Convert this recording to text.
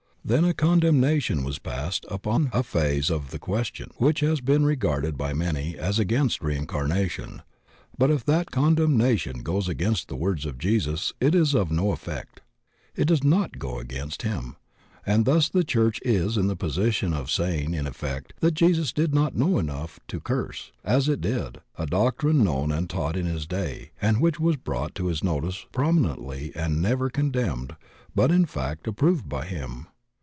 Then a condemnation was passed upon a phase of the question which has been regarded by many as against reincarnation, but if that condenmation goes against the words of Jesus it is of no effect. It does go against him, and thus the church is in the position of saying in effect that Jesus did not know enough to curse, as it did, a doctrine known and taught in his day and which was brought to his notice prominently and never con demned but in fact approved by him.